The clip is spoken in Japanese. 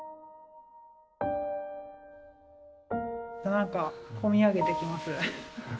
なんか込み上げてきます。